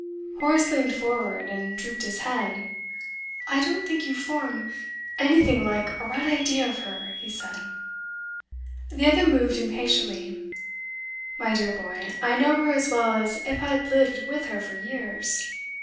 Horace leaned forward and drooped his head. 'I don't think you form anything like a right idea of her,' he said. The other moved impatiently. 'My dear boy, I know her as well as if I'd lived with her for years.